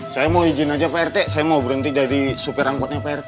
saya mau izin aja pak rt saya mau berhenti dari supir angkotnya pak rt